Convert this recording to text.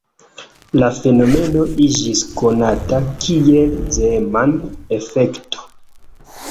La fenomeno iĝis konata kiel Zeeman-efekto.